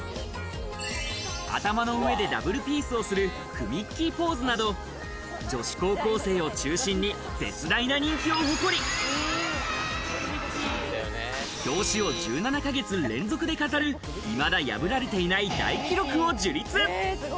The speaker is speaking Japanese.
頭の上でダブルピースをする、くみっきーポーズなど、女子高校生を中心に絶大な人気を誇り、表紙を１７ヶ月連続で飾る、いまだ破られていない大記録を樹立。